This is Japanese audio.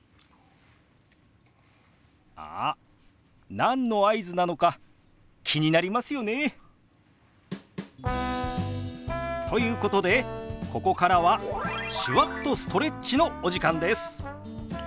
あっ何の合図なのか気になりますよね？ということでここからは手話っとストレッチのお時間です。